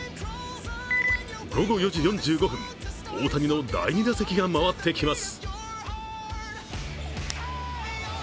午後４時４５分、大谷の第２打席が回ってきます。